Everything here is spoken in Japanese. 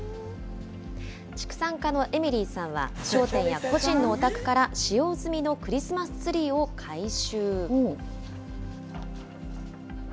畜産家のエミリーさんは商店や個人のお宅から使用済みのクリスマスツリーを回収。